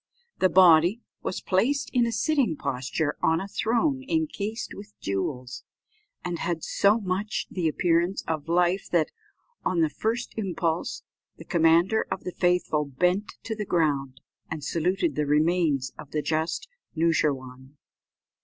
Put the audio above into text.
The body was placed in a sitting posture on a throne enchased with jewels, and had so much the appearance of life that, on the first impulse, the Commander of the Faithful bent to the ground, and saluted the remains of the just Noosheerwân.